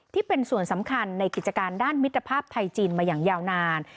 ที่เป็นส่วนสำคัญในกิจการด้านมิตรภาพไทยจีนมาอย่างยาวนาน